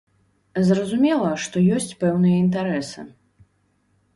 Зразумела, што ёсць пэўныя інтарэсы.